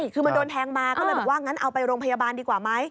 คือมันโดนแทงมาก็เลยบอกว่างั้นเอาไปโรงพยาบาลดีกว่าไหม